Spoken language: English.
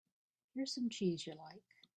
Here's some cheese you like.